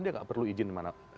dia tidak perlu izin di mana